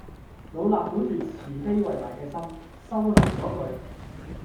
老衲本住慈悲為懷嘅心，收留咗佢